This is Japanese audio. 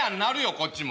こっちも。